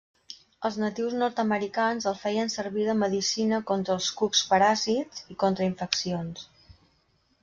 Els natius nord-americans el feien servir de medicina contra els cucs paràsits i contra infeccions.